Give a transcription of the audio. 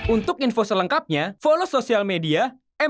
untuk info selengkapnya follow sosial media mnc games